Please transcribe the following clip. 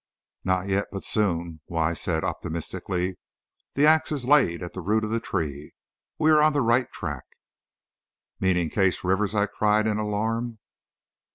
"Not yet, but soon," Wise said, optimistically; "the ax is laid at the root of the tree, we are on the right track " "Meaning Case Rivers?" I cried, in alarm.